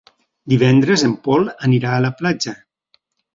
Divendres en Pol anirà a la platja.